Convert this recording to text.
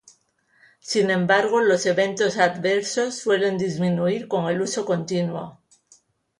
Sin embargo, los eventos adversos suelen disminuir con el uso continuo.